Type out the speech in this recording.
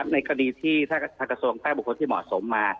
ในกรณีที่ทักษงตั้งบุคคลที่เหมาะสมมา